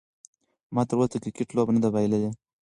ما تر اوسه د کرکټ لوبه نه ده بایللې.